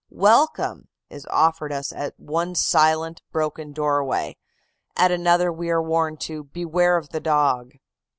'Welcome' is offered us at one silent, broken doorway; at another we are warned to 'Beware of the dog!